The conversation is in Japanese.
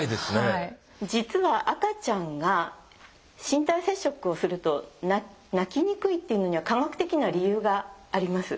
実は赤ちゃんが身体接触をすると泣きにくいというのには科学的な理由があります。